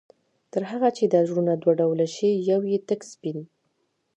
تر هغه چي دا زړونه دوه ډوله شي، يو ئې تك سپين